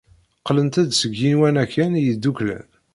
Qqlent-d seg Yiwanaken Yeddukklen.